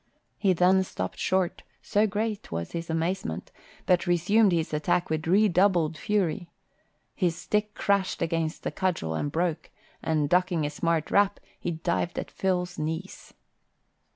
He then stopped short, so great was his amazement, but resumed his attack with redoubled fury. His stick crashed against the cudgel and broke, and ducking a smart rap, he dived at Phil's knees.